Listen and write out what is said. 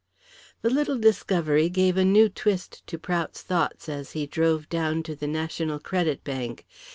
The little discovery gave a new twist to Prout's thoughts as he drove down to the National Credit Bank.